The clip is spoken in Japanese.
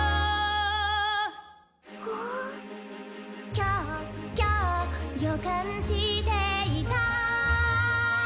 「今日今日予感していた」